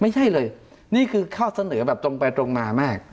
ไม่ใช่เลยนี่คือข้อเสนอแบบตรงไปตรงมามาก